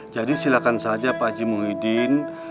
jadi silahkan saja pak haji muhidin